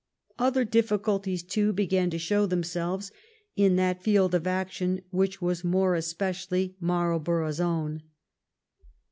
Other difficulties, too, began to show themselves in that field of action which was more especially Marl borough's own.